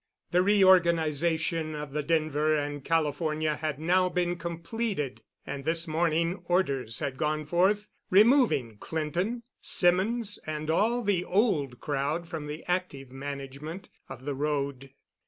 The reorganization of the Denver and California had now been completed, and this morning orders had gone forth removing Clinton, Symonds, and all the old crowd from the active management of the road.